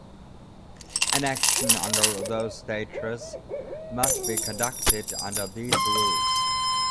An action under those statutes must be conducted under these rules.